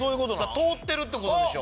通ってるって事でしょ？